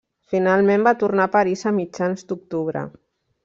Finalment, va tornar a París a mitjans d'octubre.